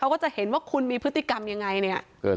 ก็จะเห็นว่าคุณมีพฤติกรรมยังไงเนี่ย